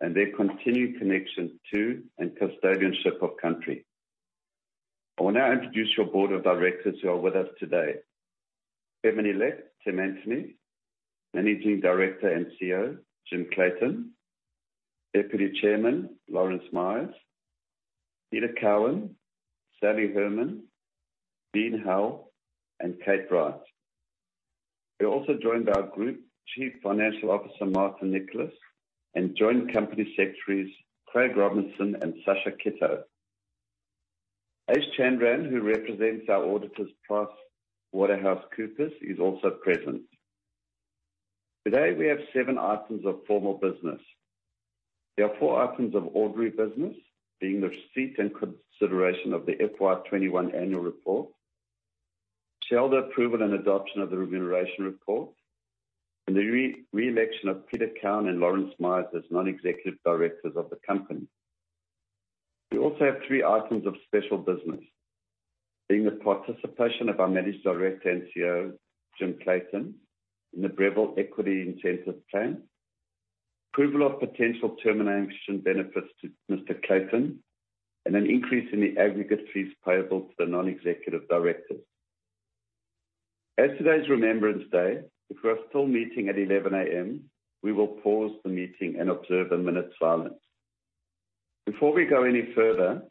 Their continued connection to and custodianship of country. I will now introduce your board of directors who are with us today. Chairman-elect Tim Antonie. Managing Director and CEO, Jim Clayton. Deputy Chairman, Lawrence Myers. Peter Cowan, Sally Herman, Dean Howell, and Kate Wright. We're also joined by our Group Chief Financial Officer, Martin Nicholas, and Joint Company Secretaries Craig Robinson and Sasha Kitto. Ash Chandran, who represents our auditors, PricewaterhouseCoopers, is also present. Today we have seven items of formal business. There are four items of ordinary business, being the receipt and consideration of the FY 2021 annual report, shareholder approval and adoption of the remuneration report, and the re-election of Peter Cowan and Lawrence Myers as non-executive directors of the company. We also have three items of special business, being the participation of our Managing Director and CEO, Jim Clayton, in the Breville Equity Incentive Plan, approval of potential termination benefits to Mr. Clayton, and an increase in the aggregate fees payable to the Non-Executive Directors. As today is Remembrance Day, if we are still meeting at 11:00 A.M., we will pause the meeting and observe a minute's silence. Before we go any further,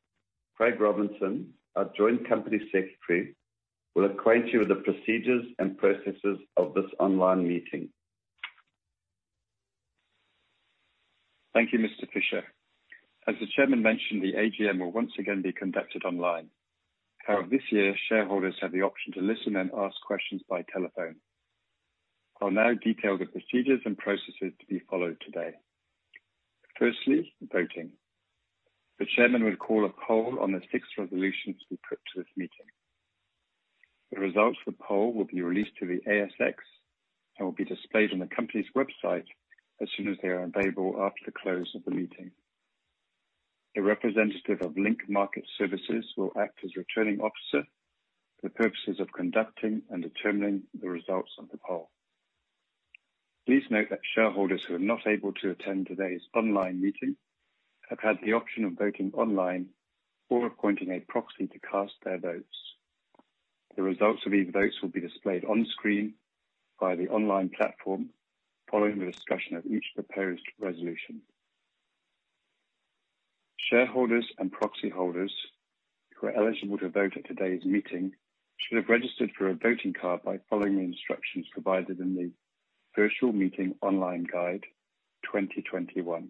Craig Robinson, our Joint Company Secretary, will acquaint you with the procedures and processes of this online meeting. Thank you, Mr. Fisher. As the Chairman mentioned, the AGM will once again be conducted online. However, this year shareholders have the option to listen and ask questions by telephone. I'll now detail the procedures and processes to be followed today. Firstly, voting. The Chairman will call a poll on the six resolutions we put to this meeting. The results of the poll will be released to the ASX and will be displayed on the company's website as soon as they are available after the close of the meeting. A representative of Link Market Services will act as returning officer for the purposes of conducting and determining the results of the poll. Please note that shareholders who are not able to attend today's online meeting have had the option of voting online or appointing a proxy to cast their votes. The results of these votes will be displayed on screen via the online platform following the discussion of each proposed resolution. Shareholders and proxy holders who are eligible to vote at today's meeting should have registered for a voting card by following the instructions provided in the Virtual Meeting Online Guide 2021.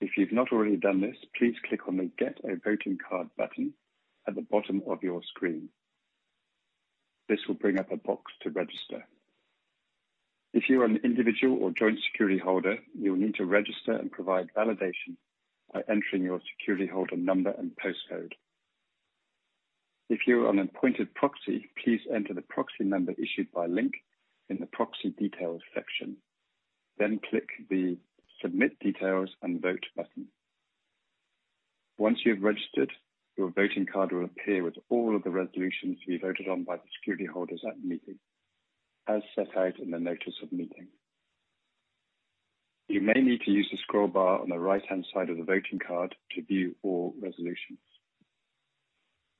If you've not already done this, please click on the Get a Voting Card button at the bottom of your screen. This will bring up a box to register. If you are an individual or joint security holder, you will need to register and provide validation by entering your security holder number and postcode. If you are an appointed proxy, please enter the proxy number issued by Link in the Proxy Details section, then click the Submit Details and Vote button. Once you have registered, your voting card will appear with all of the resolutions to be voted on by the security holders at the meeting, as set out in the notice of meeting. You may need to use the scroll bar on the right-hand side of the voting card to view all resolutions.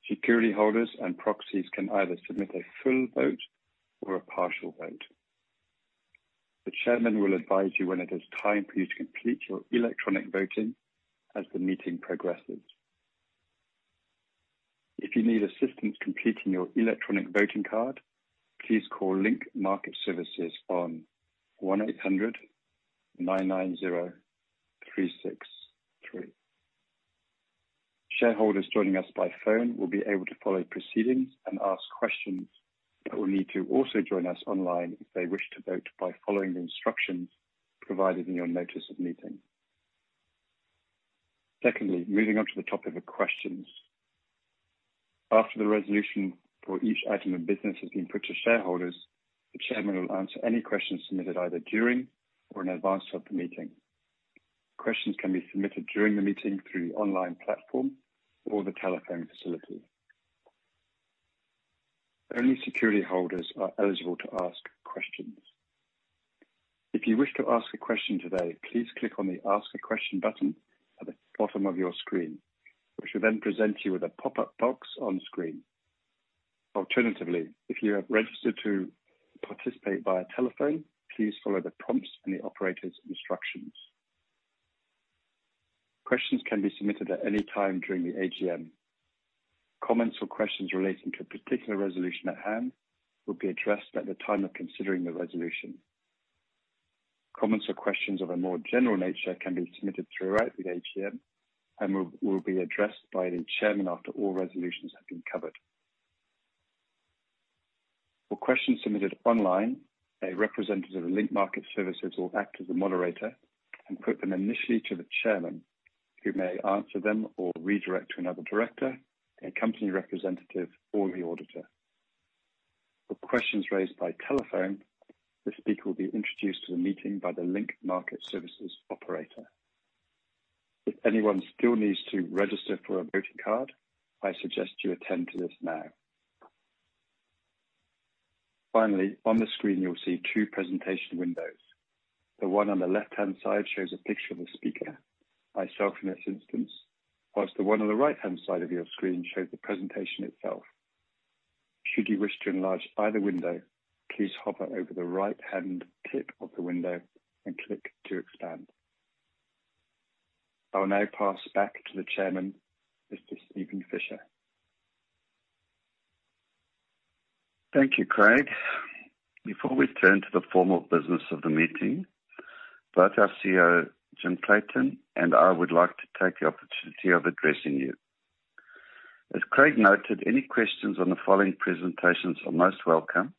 Security holders and proxies can either submit a full vote or a partial vote. The Chairman will advise you when it is time for you to complete your electronic voting as the meeting progresses. If you need assistance completing your electronic voting card, please call Link Market Services on 1800 990 363. Shareholders joining us by phone will be able to follow proceedings and ask questions, but will need to also join us online if they wish to vote by following the instructions provided in your notice of meeting. Secondly, moving on to the topic of questions. After the resolution for each item of business has been put to shareholders, the Chairman will answer any questions submitted either during or in advance of the meeting. Questions can be submitted during the meeting through the online platform or the telephone facility. Only security holders are eligible to ask questions. If you wish to ask a question today, please click on the Ask a Question button at the bottom of your screen, which will then present you with a pop-up box on screen. Alternatively, if you have registered to participate via telephone, please follow the prompts and the operator's instructions. Questions can be submitted at any time during the AGM. Comments or questions relating to a particular resolution at hand will be addressed at the time of considering the resolution. Comments or questions of a more general nature can be submitted throughout the AGM and will be addressed by the Chairman after all resolutions have been covered. For questions submitted online, a representative of Link Market Services will act as a moderator and put them initially to the Chairman, who may answer them or redirect to another director, a company representative or the auditor. For questions raised by telephone, the speaker will be introduced to the meeting by the Link Market Services operator. If anyone still needs to register for a voting card, I suggest you attend to this now. Finally, on the screen you'll see two presentation windows. The one on the left-hand side shows a picture of the speaker, myself in this instance, whilst the one on the right-hand side of your screen shows the presentation itself. I will now pass back to the Chairman, Mr. Steven Fisher. Thank you, Craig. Before we turn to the formal business of the meeting, both our CEO, Jim Clayton, and I would like to take the opportunity of addressing you. As Craig noted, any questions on the following presentations are most welcome.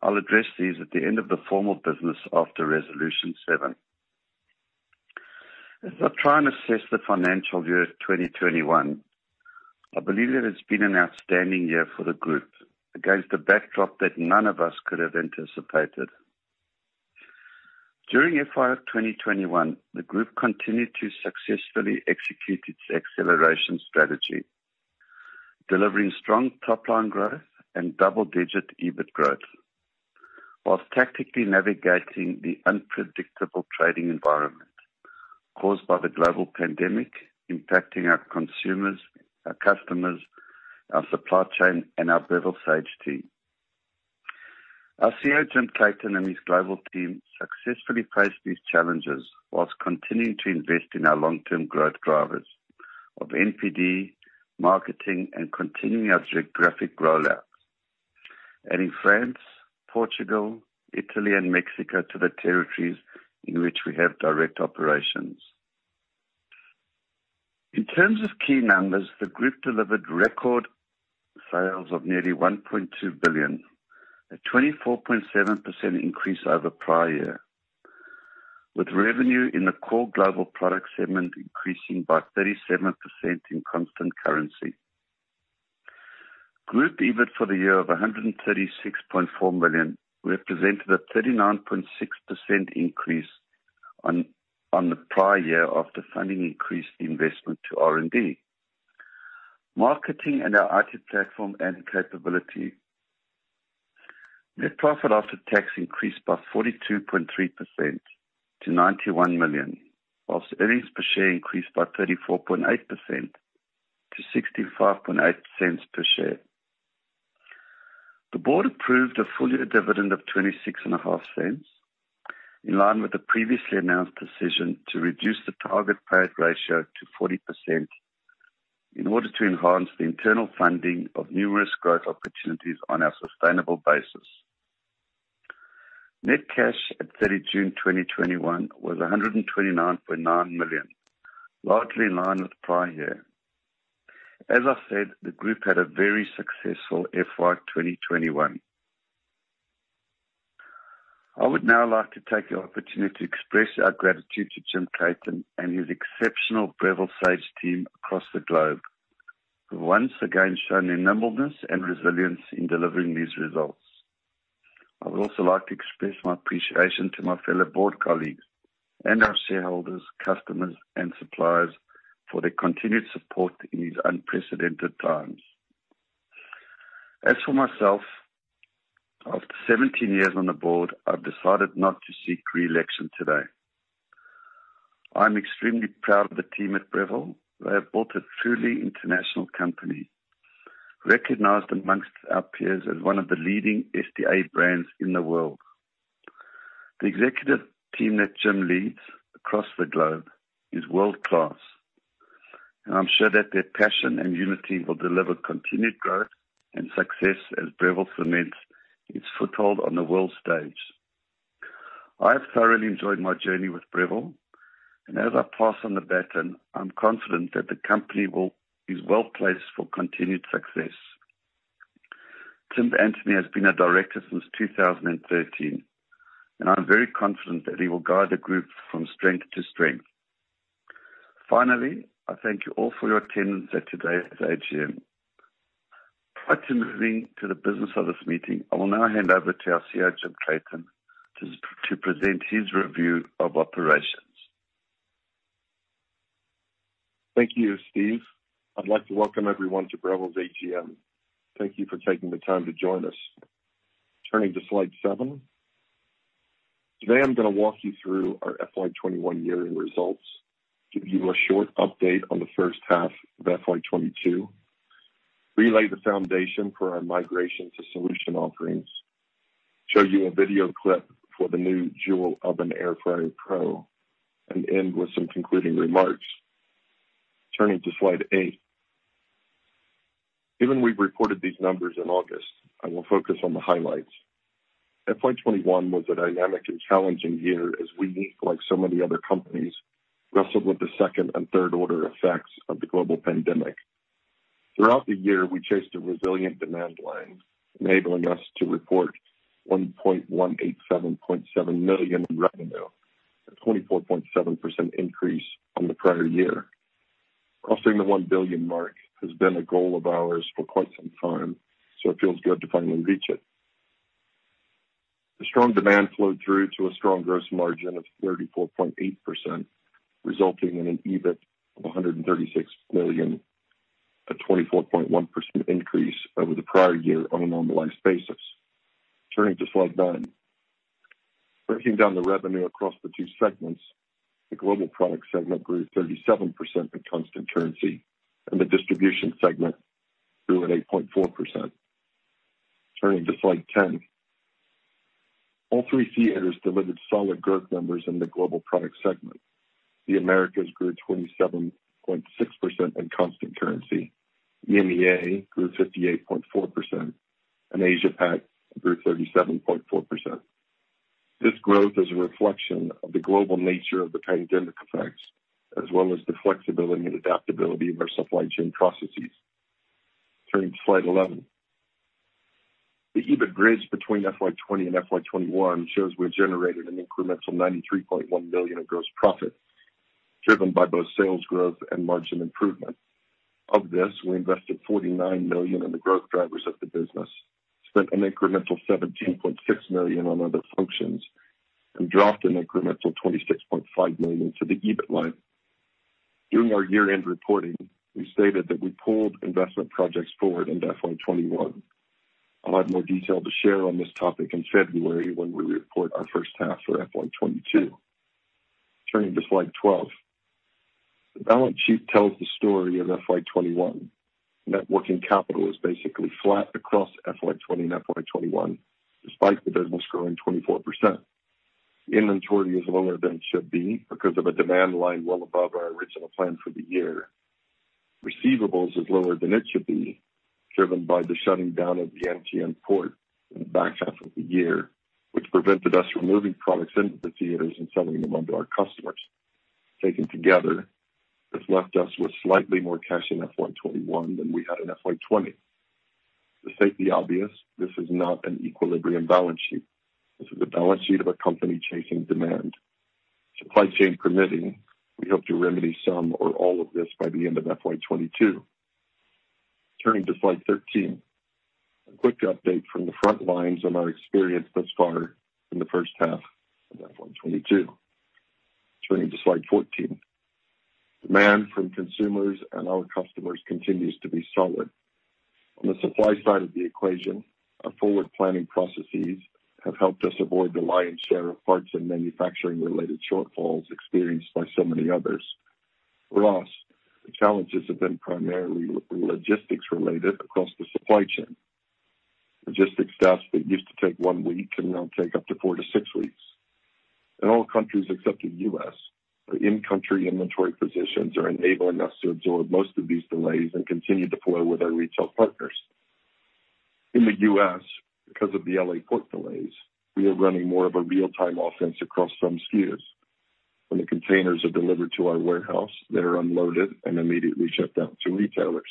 I'll address these at the end of the formal business after resolution seven. As I try and assess the fiscal year of 2021, I believe it has been an outstanding year for the group against a backdrop that none of us could have anticipated. During FY 2021, the group continued to successfully execute its acceleration strategy, delivering strong top line growth and double-digit EBIT growth, while tactically navigating the unpredictable trading environment caused by the global pandemic impacting our consumers, our customers, our supply chain, and our Breville Sage team. Our CEO, Jim Clayton, and his global team successfully faced these challenges while continuing to invest in our long-term growth drivers of NPD, marketing, and continuing our geographic rollout, adding France, Portugal, Italy, and Mexico to the territories in which we have direct operations. In terms of key numbers, the group delivered record sales of nearly 1.2 billion, a 24.7% increase over prior year, with revenue in the core global product segment increasing by 37% in constant currency. Group EBIT for the year of 136.4 million represented a 39.6% increase on the prior year after funding increased investment to R&D, marketing and our IT platform and capability. Net profit after tax increased by 42.3% to 91 million, while earnings per share increased by 34.8% to 0.658 per share. The board approved a full year dividend of 0.265, in line with the previously announced decision to reduce the target payout ratio to 40% in order to enhance the internal funding of numerous growth opportunities on a sustainable basis. Net cash at 30 June 2021 was 129.9 million, largely in line with prior year. As I said, the group had a very successful FY 2021. I would now like to take the opportunity to express our gratitude to Jim Clayton and his exceptional Breville Sage team across the globe, who once again shown their nimbleness and resilience in delivering these results. I would also like to express my appreciation to my fellow board colleagues and our shareholders, customers and suppliers for their continued support in these unprecedented times. As for myself, after 17 years on the board, I've decided not to seek re-election today. I'm extremely proud of the team at Breville. They have built a truly international company, recognized amongst our peers as one of the leading SDA brands in the world. The executive team that Jim leads across the globe is world-class, and I'm sure that their passion and unity will deliver continued growth and success as Breville cements its foothold on the world stage. I have thoroughly enjoyed my journey with Breville, and as I pass on the baton, I'm confident that the company is well-placed for continued success. Tim Antonie has been a director since 2013, and I'm very confident that he will guide the group from strength to strength. Finally, I thank you all for your attendance at today's AGM. Prior to moving to the business of this meeting, I will now hand over to our CEO, Jim Clayton, to present his review of operations. Thank you, Steve. I'd like to welcome everyone to Breville's AGM. Thank you for taking the time to join us. Turning to slide 7. Today, I'm gonna walk you through our FY 2021 year-end results, give you a short update on the first half of FY 2022, relay the foundation for our migration to solution offerings, show you a video clip for the new Joule Oven Air Fryer Pro, and end with some concluding remarks. Turning to slide 8. Even though we've reported these numbers in August, I will focus on the highlights. FY 2021 was a dynamic and challenging year as we, like so many other companies, wrestled with the second and third order effects of the global pandemic. Throughout the year, we chased a resilient demand line, enabling us to report 118.7 million in revenue, a 24.7% increase from the prior year. Crossing the 1 billion mark has been a goal of ours for quite some time, so it feels good to finally reach it. The strong demand flowed through to a strong gross margin of 34.8%, resulting in an EBIT of 136 million, a 24.1% increase over the prior year on a normalized basis. Turning to slide nine. Breaking down the revenue across the two segments, the global product segment grew 37% in constant currency, and the distribution segment grew at 8.4%. Turning to slide ten. All three theaters delivered solid growth numbers in the global product segment. The Americas grew 27.6% in constant currency. EMEA grew 58.4%, and Asia-Pac grew 37.4%. This growth is a reflection of the global nature of the pandemic effects, as well as the flexibility and adaptability of our supply chain processes. Turning to slide 11. The EBIT bridge between FY 2020 and FY 2021 shows we generated an incremental 93.1 million of gross profit, driven by both sales growth and margin improvement. Of this, we invested 49 million in the growth drivers of the business, spent an incremental 17.6 million on other functions, and dropped an incremental 26.5 million to the EBIT line. During our year-end reporting, we stated that we pulled investment projects forward into FY 2021. I'll have more detail to share on this topic in February when we report our first half for FY 2022. Turning to slide 12. The balance sheet tells the story of FY 2021. Net working capital is basically flat across FY 2020 and FY 2021 despite the business growing 24%. Inventory is lower than it should be because of a demand line well above our original plan for the year. Receivables is lower than it should be, driven by the shutting down of the Yantian port in the back half of the year, which prevented us from moving products into the theaters and selling them onto our customers. Taken together, this left us with slightly more cash in FY 2021 than we had in FY 2020. To state the obvious, this is not an equilibrium balance sheet. This is a balance sheet of a company chasing demand. Supply chain permitting, we hope to remedy some or all of this by the end of FY 2022. Turning to slide 13. A quick update from the front lines on our experience thus far in the first half of FY 2022. Turning to slide 14. Demand from consumers and our customers continues to be solid. On the supply side of the equation, our forward planning processes have helped us avoid the lion's share of parts and manufacturing-related shortfalls experienced by so many others. For us, the challenges have been primarily logistics related across the supply chain. Logistics tasks that used to take one week can now take up to four to six weeks. In all countries except the U.S., the in-country inventory positions are enabling us to absorb most of these delays and continue to flow with our retail partners. In the U.S., because of the L.A. port delays, we are running more of a real-time offense across some SKUs. When the containers are delivered to our warehouse, they are unloaded and immediately shipped out to retailers.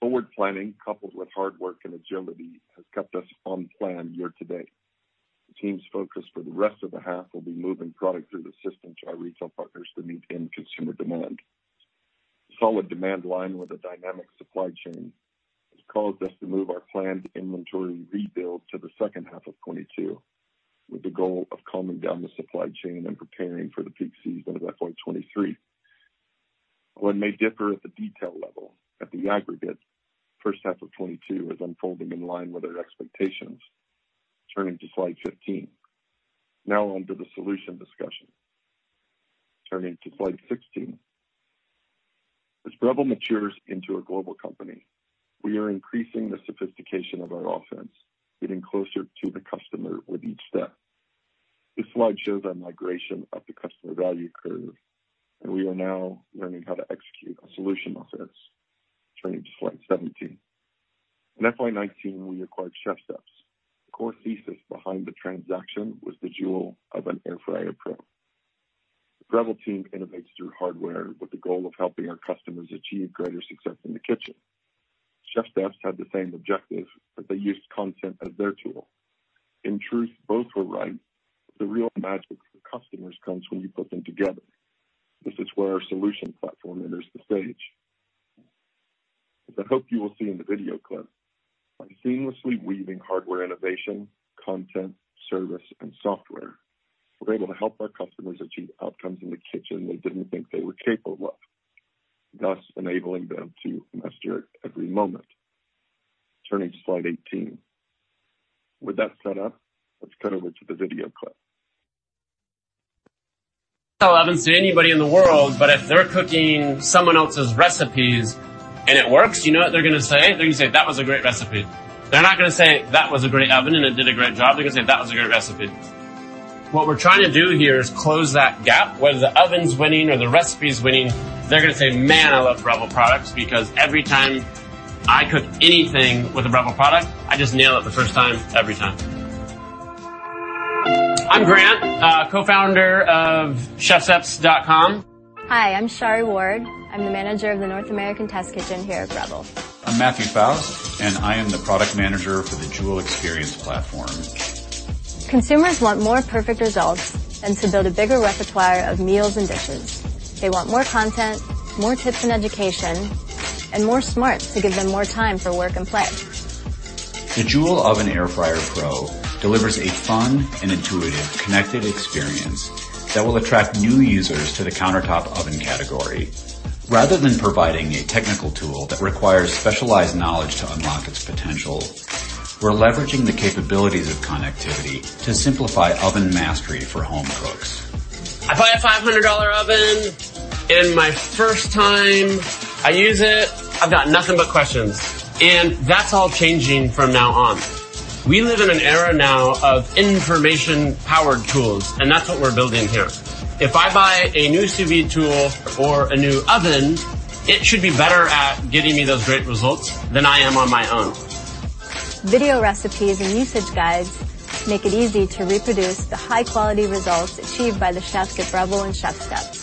Forward planning, coupled with hard work and agility, has kept us on plan year to date. The team's focus for the rest of the half will be moving product through the system to our retail partners to meet end consumer demand. A solid demand line with a dynamic supply chain has caused us to move our planned inventory rebuild to the second half of 2022, with the goal of calming down the supply chain and preparing for the peak season of FY 2023. What may differ at the detail level, at the aggregate, first half of 2022 is unfolding in line with our expectations. Turning to slide 15. Now on to the solution discussion. Turning to slide 16. As Breville matures into a global company, we are increasing the sophistication of our offense, getting closer to the customer with each step. This slide shows our migration up the customer value curve, and we are now learning how to execute a solution offense. Turning to slide 17. In FY 2019, we acquired ChefSteps. The core thesis behind the transaction was the Joule Oven Air Fryer Pro. The Breville team innovates through hardware with the goal of helping our customers achieve greater success in the kitchen. ChefSteps had the same objective, but they used content as their tool. In truth, both were right. The real magic for customers comes when you put them together. This is where our solution platform enters the stage. As I hope you will see in the video clip, by seamlessly weaving hardware innovation, content, service, and software, we're able to help our customers achieve outcomes in the kitchen they didn't think they were capable of, thus enabling them to master every moment. Turning to slide 18. With that set up, let's cut over to the video clip. Sell ovens to anybody in the world, but if they're cooking someone else's recipes and it works, you know what they're gonna say? They're gonna say, "That was a great recipe." They're not gonna say, "That was a great oven, and it did a great job." They're gonna say, "That was a great recipe." What we're trying to do here is close that gap, whether the oven's winning or the recipe's winning, they're gonna say, "Man, I love Breville products because every time I cook anything with a Breville product, I just nail it the first time, every time." I'm Grant, co-founder of chefsteps.com. Hi, I'm Shari Ward. I'm the manager of the North American Test Kitchen here at Breville. I'm Matthew Faust, and I am the product manager for the Joule Experience platform. Consumers want more perfect results and to build a bigger repertoire of meals and dishes. They want more content, more tips and education and more smarts to give them more time for work and play. The Joule Oven Air Fryer Pro delivers a fun and intuitive connected experience that will attract new users to the countertop oven category. Rather than providing a technical tool that requires specialized knowledge to unlock its potential, we're leveraging the capabilities of connectivity to simplify oven mastery for home cooks. I buy a 500 dollar oven, and my first time I use it, I've got nothing but questions. That's all changing from now on. We live in an era now of information-powered tools, and that's what we're building here. If I buy a new sous vide tool or a new oven, it should be better at getting me those great results than I am on my own. Video recipes and usage guides make it easy to reproduce the high-quality results achieved by the chefs at Breville and ChefSteps.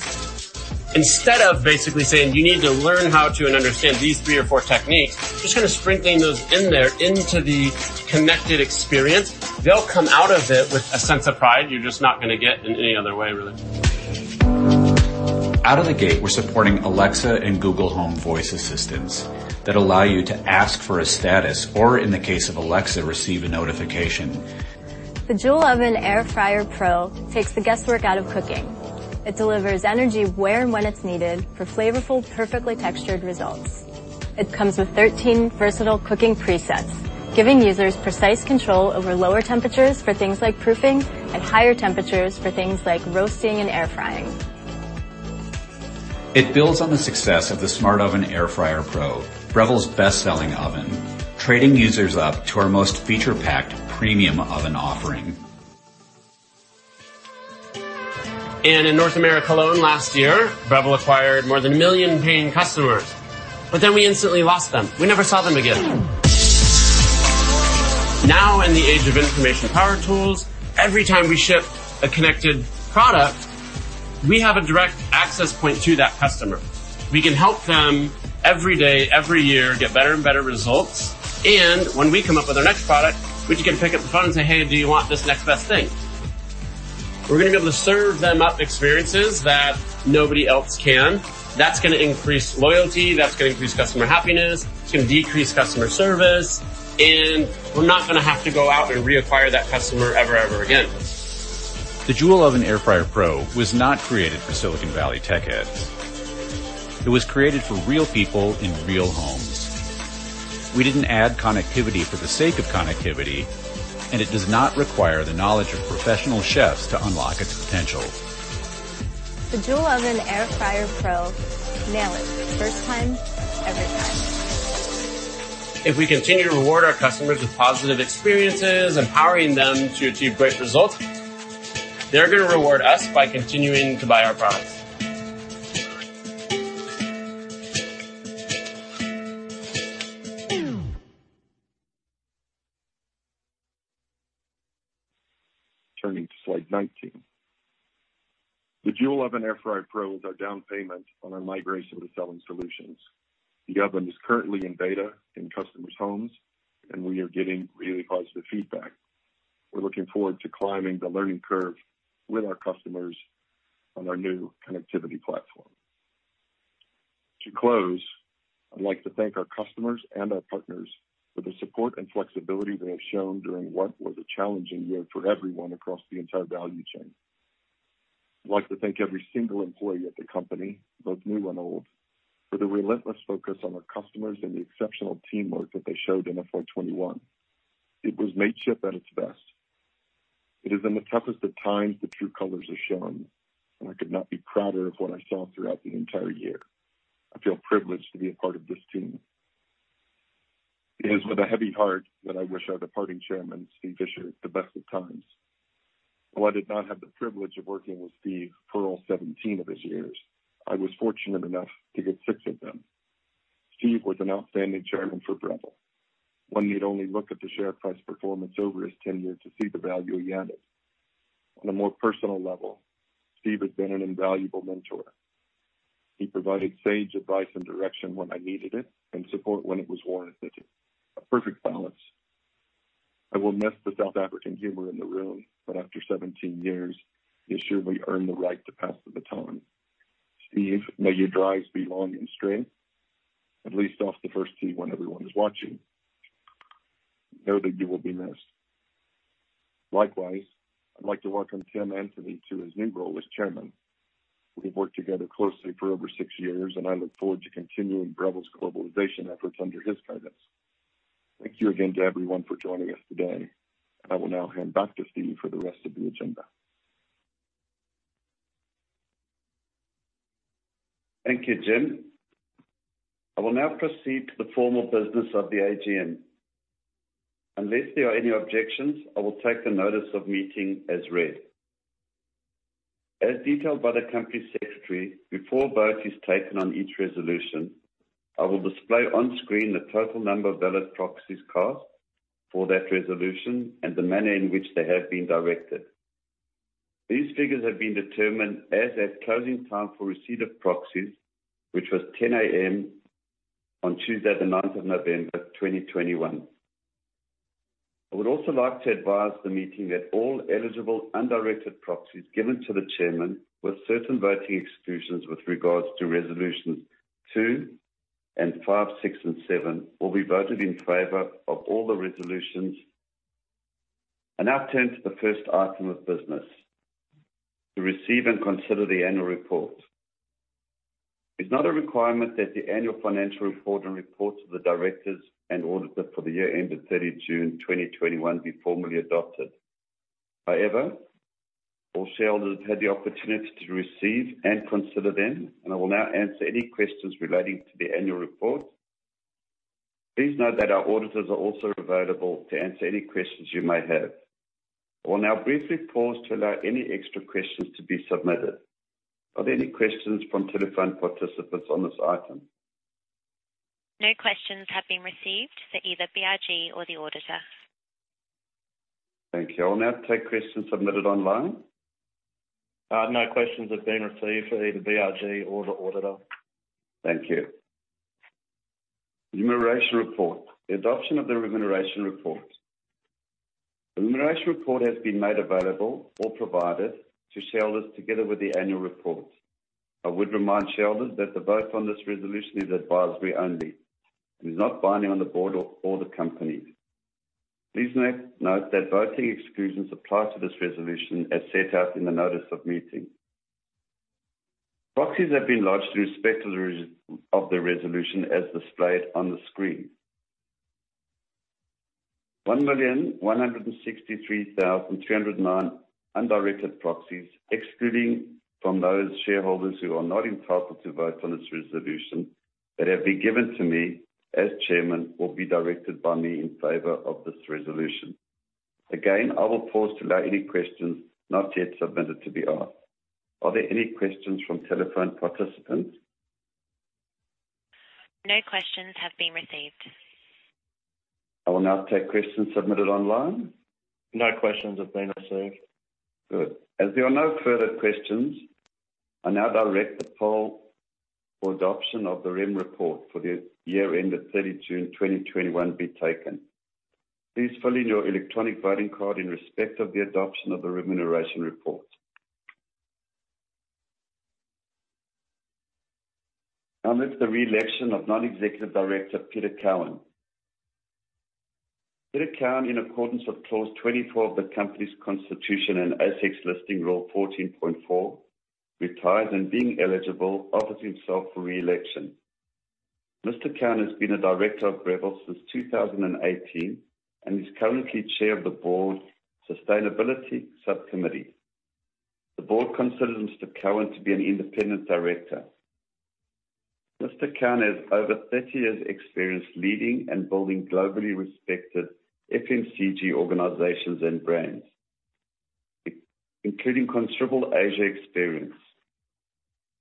Instead of basically saying, "You need to learn how to and understand these three or four techniques," just kind of sprinkling those in there into the connected experience, they'll come out of it with a sense of pride you're just not gonna get in any other way, really. Out of the gate, we're supporting Alexa and Google Home voice assistants that allow you to ask for a status, or in the case of Alexa, receive a notification. The Joule Oven Air Fryer Pro takes the guesswork out of cooking. It delivers energy where and when it's needed for flavorful, perfectly textured results. It comes with 13 versatile cooking presets, giving users precise control over lower temperatures for things like proofing and higher temperatures for things like roasting and air frying. It builds on the success of the Smart Oven Air Fryer Pro, Breville's best-selling oven, trading users up to our most feature-packed premium oven offering. In North America alone last year, Breville acquired more than 1 million paying customers. We instantly lost them. We never saw them again. Now in the age of information power tools, every time we ship a connected product, we have a direct access point to that customer. We can help them every day, every year, get better and better results. When we come up with our next product, we can pick up the phone and say, "Hey, do you want this next best thing?" We're gonna be able to serve them up experiences that nobody else can. That's gonna increase loyalty, that's gonna increase customer happiness, it's gonna decrease customer service, and we're not gonna have to go out and reacquire that customer ever again. The Joule Oven Air Fryer Pro was not created for Silicon Valley tech heads. It was created for real people in real homes. We didn't add connectivity for the sake of connectivity, and it does not require the knowledge of professional chefs to unlock its potential. The Joule Oven Air Fryer Pro, nail it. First time, every time. If we continue to reward our customers with positive experiences, empowering them to achieve great results, they're gonna reward us by continuing to buy our products. Turning to slide 19. The Joule Oven Air Fryer Pro is our down payment on our migration to selling solutions. The oven is currently in beta in customers' homes, and we are getting really positive feedback. We're looking forward to climbing the learning curve with our customers on our new connectivity platform. To close, I'd like to thank our customers and our partners for the support and flexibility they have shown during what was a challenging year for everyone across the entire value chain. I'd like to thank every single employee at the company, both new and old, for their relentless focus on our customers and the exceptional teamwork that they showed in 2021. It was mateship at its best. It is in the toughest of times that true colors are shown, and I could not be prouder of what I saw throughout the entire year. I feel privileged to be a part of this team. It is with a heavy heart that I wish our departing Chairman, Steve Fisher, the best of times. While I did not have the privilege of working with Steve for all 17 of his years, I was fortunate enough to get 6 of them. Steve was an outstanding Chairman for Breville. One need only look at the share price performance over his tenure to see the value he added. On a more personal level, Steve has been an invaluable mentor. He provided sage advice and direction when I needed it and support when it was warranted. A perfect balance. I will miss the South African humor in the room, but after 17 years, he has surely earned the right to pass the baton. Steve, may your drives be long and straight, at least off the first tee when everyone is watching. Know that you will be missed. Likewise, I'd like to welcome Tim Antonie to his new role as chairman. We've worked together closely for over six years, and I look forward to continuing Breville's globalization efforts under his guidance. Thank you again to everyone for joining us today. I will now hand back to Steve for the rest of the agenda. Thank you, Jim. I will now proceed to the formal business of the AGM. Unless there are any objections, I will take the notice of meeting as read. As detailed by the company secretary, before vote is taken on each resolution, I will display on screen the total number of valid proxies cast for that resolution and the manner in which they have been directed. These figures have been determined as at closing time for receipt of proxies, which was 10:00 A.M. on Tuesday the ninth of November, 2021. I would also like to advise the meeting that all eligible undirected proxies given to the chairman with certain voting exclusions with regards to resolutions two and five, six, and seven will be voted in favor of all the resolutions. I now turn to the first item of business, to receive and consider the annual report. It's not a requirement that the annual financial report and reports of the directors and auditor for the year ended 30 June 2021 be formally adopted. However, all shareholders had the opportunity to receive and consider them, and I will now answer any questions relating to the annual report. Please note that our auditors are also available to answer any questions you may have. I will now briefly pause to allow any extra questions to be submitted. Are there any questions from telephone participants on this item? No questions have been received for either BRG or the auditor. Thank you. I will now take questions submitted online. No questions have been received for either BRG or the auditor. Thank you. Remuneration Report. The adoption of the Remuneration Report. The Remuneration Report has been made available or provided to shareholders together with the annual report. I would remind shareholders that the vote on this resolution is advisory only. It is not binding on the board or the company. Please note that voting exclusions apply to this resolution as set out in the notice of meeting. Proxies have been lodged in respect of the resolution as displayed on the screen. 1,163,309 undirected proxies, excluding from those shareholders who are not entitled to vote on this resolution, that have been given to me as chairman, will be directed by me in favor of this resolution. Again, I will pause to allow any questions not yet submitted to be asked. Are there any questions from telephone participants? No questions have been received. I will now take questions submitted online. No questions have been received. Good. As there are no further questions, I now direct the poll for adoption of the remuneration report for the year ended 30 June 2021 be taken. Please fill in your electronic voting card in respect of the adoption of the remuneration report. Now it's the re-election of non-executive director Peter Cowan. Peter Cowan, in accordance with clause 24 of the company's constitution and ASX Listing Rule 14.4, retires and being eligible offers himself for re-election. Mr. Cowan has been a director of Breville since 2018 and is currently chair of the board's sustainability subcommittee. The board considers Mr. Cowan to be an independent director. Mr. Cowan has over 30 years' experience leading and building globally respected FMCG organizations and brands, including considerable Asia experience.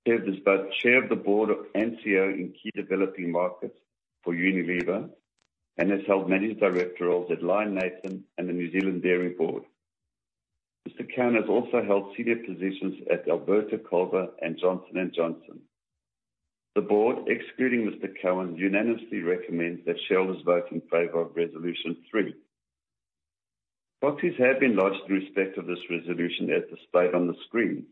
Served as both chair of the board of NCO in key developing markets for Unilever and has held managing director roles at Lion Nathan and the New Zealand Dairy Board. Mr. Cowan has also held senior positions at Alberto-Culver and Johnson & Johnson. The board, excluding Mr. Cowan, unanimously recommends that shareholders vote in favor of resolution three. Proxies have been lodged in respect of this resolution as displayed on the screen.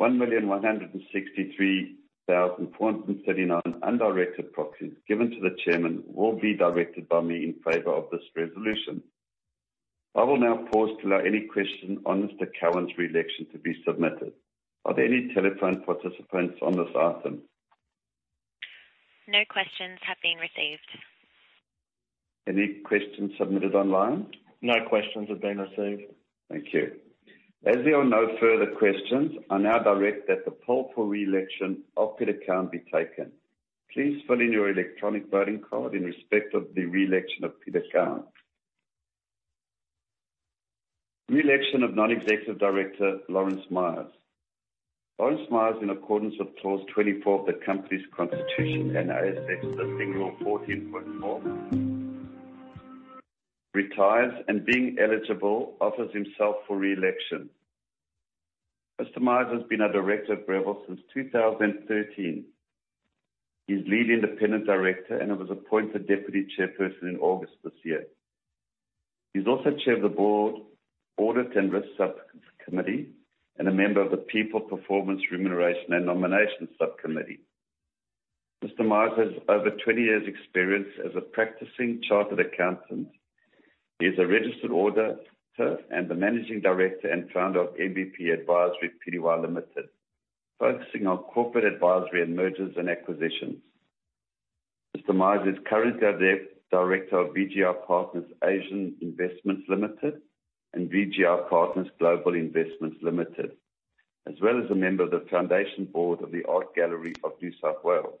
1,163,439 undirected proxies given to the chairman will be directed by me in favor of this resolution. I will now pause to allow any question on Mr. Cowan's re-election to be submitted. Are there any telephone participants on this item? No questions have been received. Any questions submitted online? No questions have been received. Thank you. As there are no further questions, I now direct that the poll for re-election of Peter Cowan be taken. Please fill in your electronic voting card in respect of the re-election of Peter Cowan. Re-election of non-executive director Lawrence Myers. Lawrence Myers, in accordance with clause 24 of the company's constitution and ASX Listing Rule 14.4, retires and being eligible offers himself for re-election. Mr. Myers has been a director of Breville since 2013. He's lead independent director and was appointed deputy chairperson in August this year. He's also chair of the board audit and risk sub-committee and a member of the people, performance, remuneration, and nomination sub-committee. Mr. Myers has over 20 years' experience as a practicing chartered accountant. He is a registered auditor and the Managing Director and founder of MBP Advisory Pty Limited, focusing on corporate advisory and mergers and acquisitions. Mr. Myers is currently our Director of VGI Partners Asian Investments Limited and VGI Partners Global Investments Limited, as well as a member of the Foundation Board of the Art Gallery of New South Wales.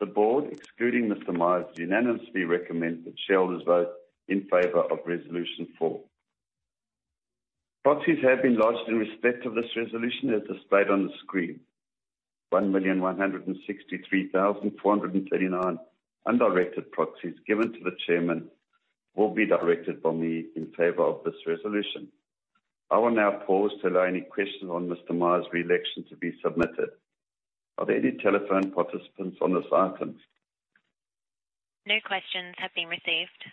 The board, excluding Mr. Myers, unanimously recommends that shareholders vote in favor of resolution four. Proxies have been lodged in respect of this resolution as displayed on the screen. 1,163,439 undirected proxies given to the chairman will be directed by me in favor of this resolution. I will now pause to allow any questions on Mr. Myers' re-election to be submitted. Are there any telephone participants on this item? No questions have been received.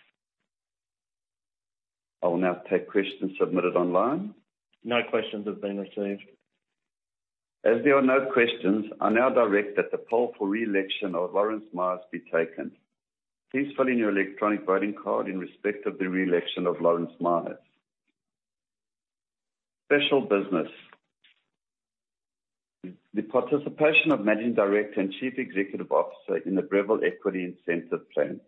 I will now take questions submitted online. No questions have been received. As there are no questions, I now direct that the poll for reelection of Lawrence Myers be taken. Please fill in your electronic voting card in respect of the reelection of Lawrence Myers. Special business. The participation of Managing Director and Chief Executive Officer in the Breville Equity Incentive Plan.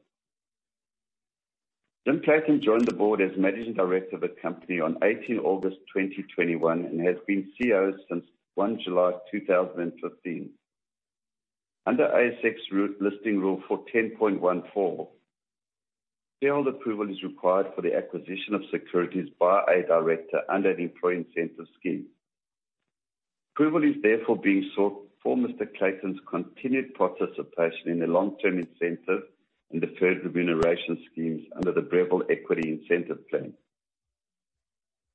Jim Clayton joined the board as Managing Director of the company on 18 August 2021 and has been CEO since 1 July 2015. Under ASX Listing Rule 10.14, shareholder approval is required for the acquisition of securities by a director under the employee incentive scheme. Approval is therefore being sought for Mr. Clayton's continued participation in the long-term incentive and deferred remuneration schemes under the Breville Equity Incentive Plan.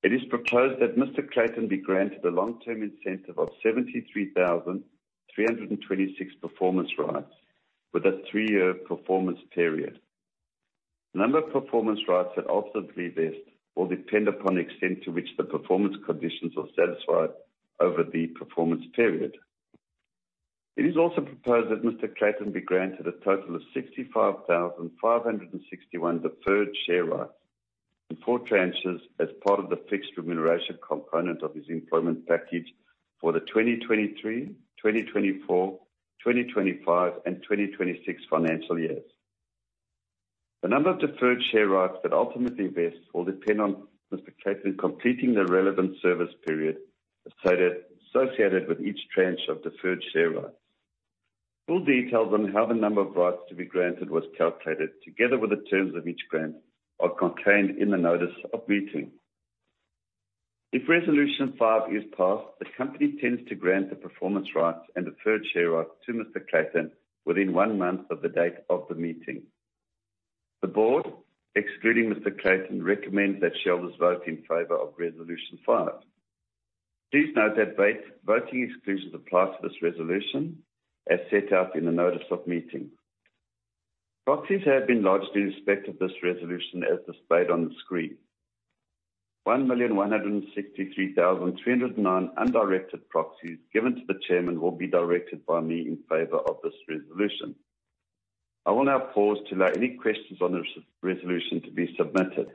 It is proposed that Mr. Clayton be granted a long-term incentive of 73,326 performance rights with a three-year performance period. The number of performance rights that ultimately vest will depend upon the extent to which the performance conditions are satisfied over the performance period. It is also proposed that Mr. Clayton be granted a total of 65,561 deferred share rights in four tranches as part of the fixed remuneration component of his employment package for the 2023, 2024, 2025, and 2026 financial years. The number of deferred share rights that ultimately vest will depend on Mr. Clayton completing the relevant service period associated with each tranche of deferred share rights. Full details on how the number of rights to be granted was calculated together with the terms of each grant are contained in the notice of meeting. If resolution five is passed, the company intends to grant the performance rights and deferred share rights to Mr. Clayton within one month of the date of the meeting. The board, excluding Mr. Clayton, recommends that shareholders vote in favor of resolution five. Please note that voting exclusions apply to this resolution as set out in the notice of meeting. Proxies have been lodged in respect of this resolution as displayed on the screen. 1,163,309 undirected proxies given to the chairman will be directed by me in favor of this resolution. I will now pause to allow any questions on the resolution to be submitted.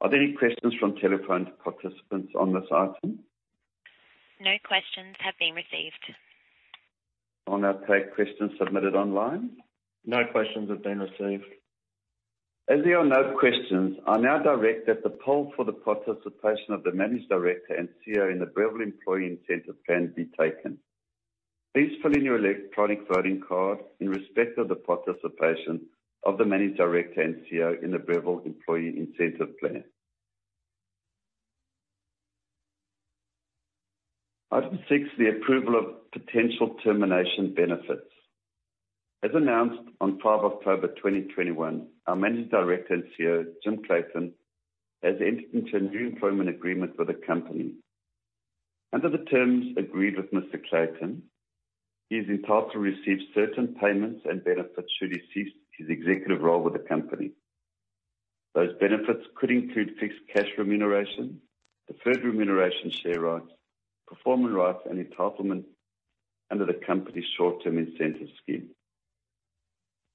Are there any questions from telephone participants on this item? No questions have been received. I'll now take questions submitted online. No questions have been received. As there are no questions, I now direct that the poll for the participation of the Managing Director and CEO in the Breville Equity Incentive Plan be taken. Please fill in your electronic voting card in respect of the participation of the Managing Director and CEO in the Breville Equity Incentive Plan. Item 6, the approval of potential termination benefits. As announced on 5 October 2021, our Managing Director and CEO, Jim Clayton, has entered into a new employment agreement with the company. Under the terms agreed with Mr. Clayton, he is entitled to receive certain payments and benefits should he cease his executive role with the company. Those benefits could include fixed cash remuneration, deferred remuneration share rights, performance rights, and entitlement under the company's short-term incentive scheme.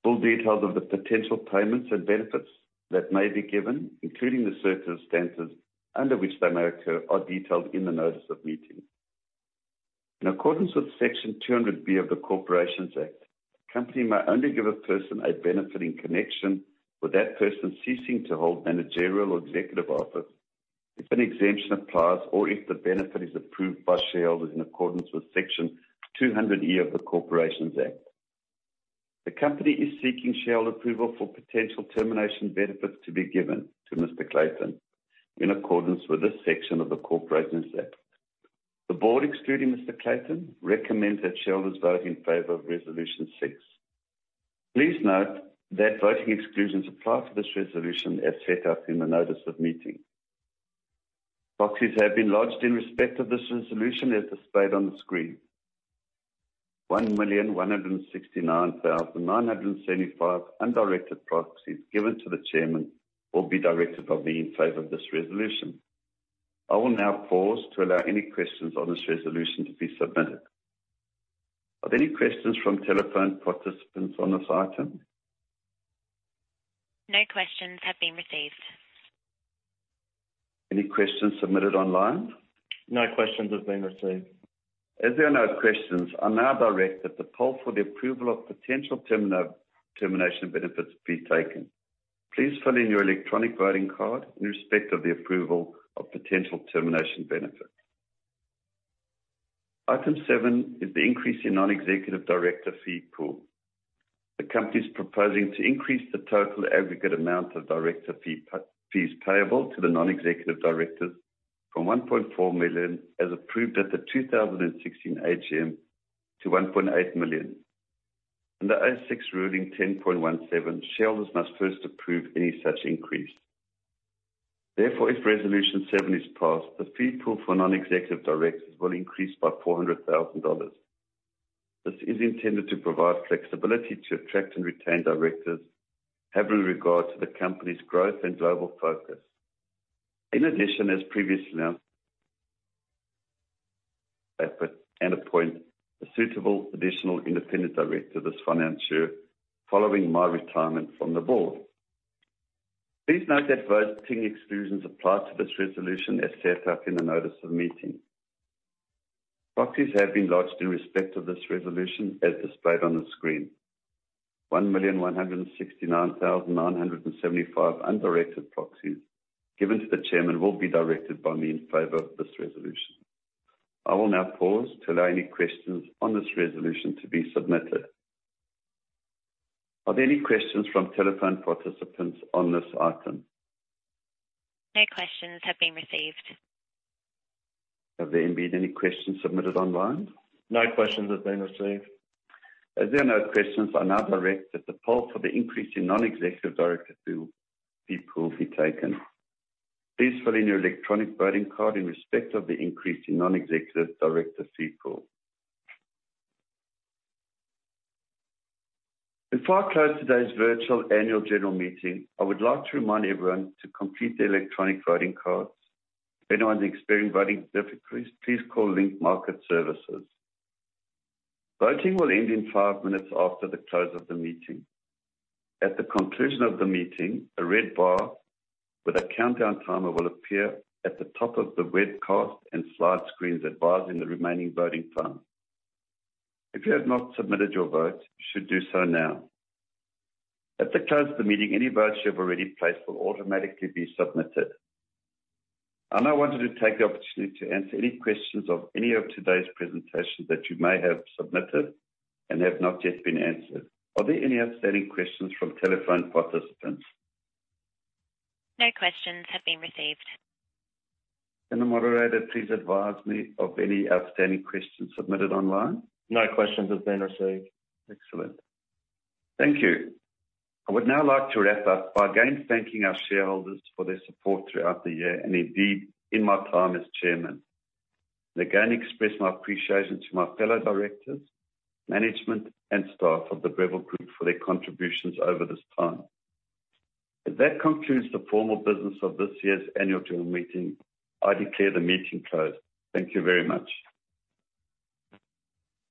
Full details of the potential payments and benefits that may be given, including the circumstances under which they may occur, are detailed in the notice of meeting. In accordance with Section 200B of the Corporations Act, a company may only give a person a benefit in connection with that person ceasing to hold managerial or executive office if an exemption applies or if the benefit is approved by shareholders in accordance with Section 200E of the Corporations Act. The company is seeking shareholder approval for potential termination benefits to be given to Mr. Clayton in accordance with this section of the Corporations Act. The board, excluding Mr. Clayton, recommends that shareholders vote in favor of Resolution 6. Please note that voting exclusions apply to this resolution as set out in the notice of meeting. Proxies have been lodged in respect of this resolution as displayed on the screen. 1,169,975 undirected proxies given to the chairman will be directed by me in favor of this resolution. I will now pause to allow any questions on this resolution to be submitted. Are there any questions from telephone participants on this item? No questions have been received. Any questions submitted online? No questions have been received. As there are no questions, I now direct that the poll for the approval of potential termination benefits be taken. Please fill in your electronic voting card in respect of the approval of potential termination benefits. Item 7 is the increase in non-executive director fee pool. The company is proposing to increase the total aggregate amount of director fees payable to the non-executive directors from 1.4 million, as approved at the 2016 AGM, to 1.8 million. Under ASX Listing Rule 10.17, shareholders must first approve any such increase. Therefore, if Resolution 7 is passed, the fee pool for non-executive directors will increase by 400,000 dollars. This is intended to provide flexibility to attract and retain directors, having regard to the company's growth and global focus. In addition, as previously announced, we will appoint a suitable additional independent director this financial year, following my retirement from the board. Please note that voting exclusions apply to this resolution as set out in the notice of meeting. Proxies have been lodged in respect of this resolution as displayed on the screen. 1,169,975 undirected proxies given to the chairman will be directed by me in favor of this resolution. I will now pause to allow any questions on this resolution to be submitted. Are there any questions from telephone participants on this item? No questions have been received. Have there been any questions submitted online? No questions have been received. As there are no questions, I now direct that the poll for the increase in non-executive director fee pool be taken. Please fill in your electronic voting card in respect of the increase in non-executive director fee pool. Before I close today's virtual annual general meeting, I would like to remind everyone to complete the electronic voting cards. If anyone is experiencing voting difficulties, please call Link Market Services. Voting will end in five minutes after the close of the meeting. At the conclusion of the meeting, a red bar with a countdown timer will appear at the top of the webcast and slide screens advising the remaining voting time. If you have not submitted your vote, you should do so now. At the close of the meeting, any votes you have already placed will automatically be submitted. I now wanted to take the opportunity to answer any questions of any of today's presentations that you may have submitted and have not yet been answered. Are there any outstanding questions from telephone participants? No questions have been received. Can the moderator please advise me of any outstanding questions submitted online? No questions have been received. Excellent. Thank you. I would now like to wrap up by again thanking our shareholders for their support throughout the year and indeed in my time as chairman, and again express my appreciation to my fellow directors, management, and staff of the Breville Group for their contributions over this time. As that concludes the formal business of this year's annual general meeting, I declare the meeting closed. Thank you very much.